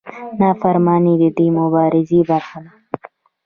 نافرماني د دې مبارزې برخه ده.